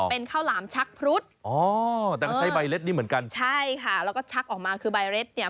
เป็นข้าวหลามชักพรุษอ๋อแต่ก็ใช้ใบเล็ดนี้เหมือนกันใช่ค่ะแล้วก็ชักออกมาคือใบเล็ดเนี่ย